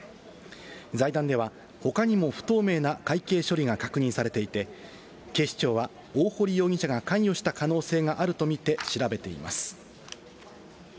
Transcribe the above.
財団では、ほかにも不透明な会計処理が確認されていて、警視庁は大堀容疑者が関与した可能性があると見て調べています。